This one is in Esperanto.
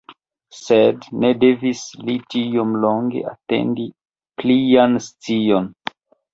Sed, ne devis li tiom longe atendi plian scion.